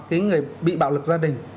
cái người bị bạo lực gia đình